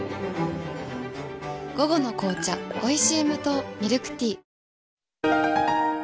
午後の紅茶おいしい無糖ミルクティー